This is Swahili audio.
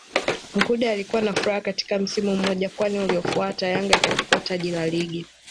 Mkude alikuwa na furaha katika msimu mmoja kwani uliofuata Yanga ikachukua taji la Ligi